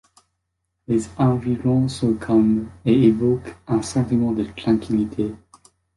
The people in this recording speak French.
Les environs sont calmes et évoquent un sentiment de tranquillité.